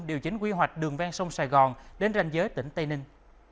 điều chỉnh quy hoạch đường ven sông sài gòn đến ranh giới tỉnh tây ninh